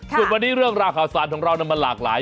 ส่วนวันนี้เรื่องราวข่าวสารของเรามันหลากหลาย